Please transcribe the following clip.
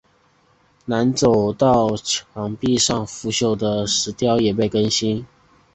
南走道墙壁上腐朽的石雕也被更新。